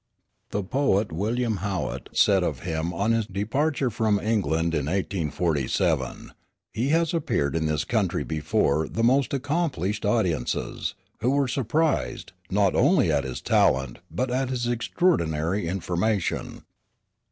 The poet William Howitt said of him on his departure from England in 1847, "He has appeared in this country before the most accomplished audiences, who were surprised, not only at his talent, but at his extraordinary information."